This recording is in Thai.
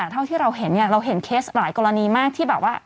เท่าที่เราเห็นเนี่ยเราเห็นเคสหลายกรณีมากที่แบบว่า